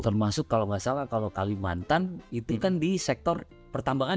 termasuk kalau nggak salah kalau kalimantan itu kan di sektor pertambangan